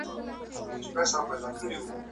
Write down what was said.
ارواپوهنه د انسان د ذهن او چلن مطالعه ده.